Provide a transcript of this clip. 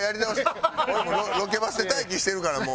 俺ロケバスで待機してるからもう。